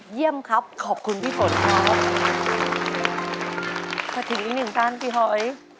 เยี่ยมครับขอบคุณพี่ฝนครับมาถึงอีกหนึ่งท่านพี่หอย